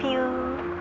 terima kasih ya pak